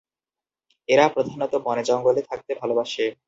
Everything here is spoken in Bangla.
এরা প্রধানত বনে জঙ্গলে থাকতে ভালোবাসে।